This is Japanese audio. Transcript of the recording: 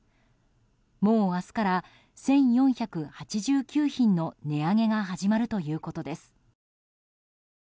もう明日から１４８９品の値上げが始まるということです。